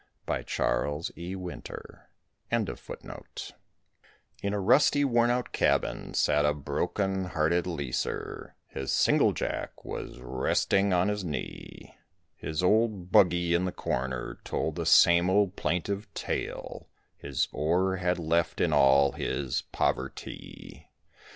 THE MINER'S SONG In a rusty, worn out cabin sat a broken hearted leaser, His singlejack was resting on his knee. His old "buggy" in the corner told the same old plaintive tale, His ore had left in all his poverty.